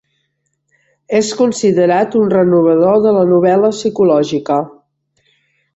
És considerat un renovador de la novel·la psicològica.